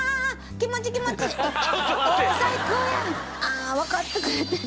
ああわかってくれてる。